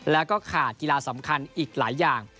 แล้วก็ขาดกีฬาสำคัญอีกหลายอย่าง